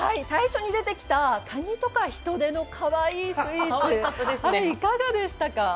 最初に出てきたカニとかヒトデのかわいいスイーツ、あれ、いかがでしたか？